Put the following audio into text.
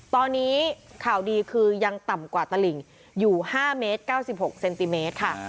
ตอนนี้ข่าวดีคือยังต่ำกว่าตลิ่งอยู่๕เมตร๙๖เซนติเมตรค่ะ